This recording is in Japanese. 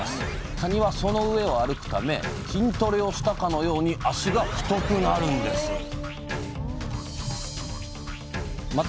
かにはその上を歩くため筋トレをしたかのように脚が太くなるんですまた